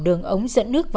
đường ống dẫn nước về nhà